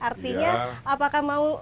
artinya apakah mau